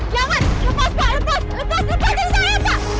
jangan lepas pak lepas lepas lepas ini saya pak